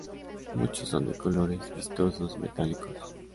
Muchos son de colores vistosos, metálicos.